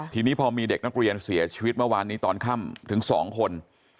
ทีนี้พอมีเด็กนักเรียนเสียชีวิตเมื่อวานนี้ตอนค่ำถึง๒คน